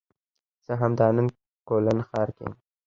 زه همدا نن کولن ښار کې یم